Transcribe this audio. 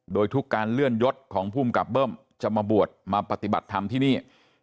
โดยทุกการเลื่อนยศของภูมิกับเบิ้มจะมาบวชมาปฏิบัติธรรมที่นี่